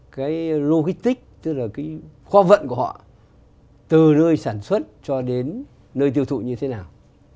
cái logistic tức là cái kho vận của họ từ nơi sản xuất cho đến nơi tiêu thụ như thế nào